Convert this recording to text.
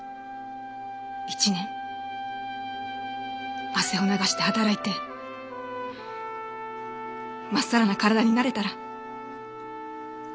１年汗を流して働いてまっさらな体になれたら。